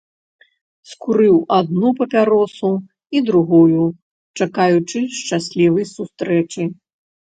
Скурыў адну папяросу і другую, чакаючы шчаслівай сустрэчы.